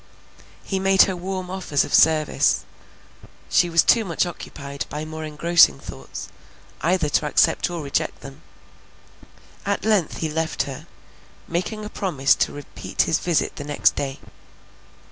He made her warm offers of service; she was too much occupied by more engrossing thoughts, either to accept or reject them; at length he left her, making a promise to repeat his visit the next day.